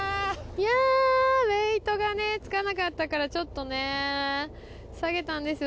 いやベイトがね付かなかったからちょっとね下げたんですよ